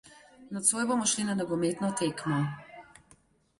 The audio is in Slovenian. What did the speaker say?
Nocoj bomo šli na nogometno tekmo.